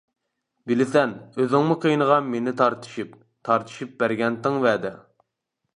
بىلىسەن، ئۆزۈڭمۇ قىينىغان مېنى تارتىشىپ، تارتىشىپ بەرگەنتىڭ ۋەدە.